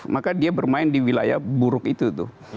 maka dia bermain di wilayah buruk itu tuh